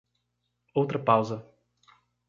Outra pausa.